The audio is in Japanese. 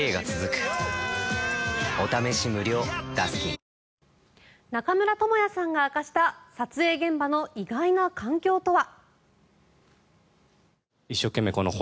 脂肪に選べる「コッコアポ」中村倫也さんが明かした撮影現場の意外な環境とは？